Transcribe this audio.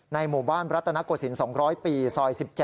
หมู่บ้านรัตนโกศิลป๒๐๐ปีซอย๑๗